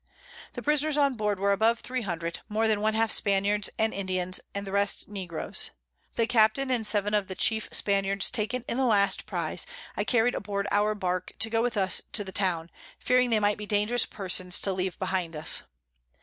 The Prisoners on board are above 300, more than one half Spaniards and Indians, the rest Negroes. The Captain and 7 of the chief Spaniards taken in the last Prize I carried aboard our Bark to go with us to the Town, fearing they might be dangerous Persons to leave behind us.